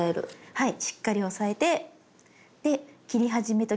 はい。